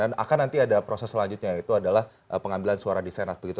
dan akan nanti ada proses selanjutnya yaitu adalah pengambilan suara di senat begitu